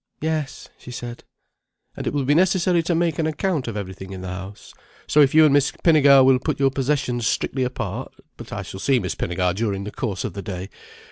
"Yes," she said. "And it will be necessary to make an account of everything in the house. So if you and Miss Pinnegar will put your possessions strictly apart—But I shall see Miss Pinnegar during the course of the day.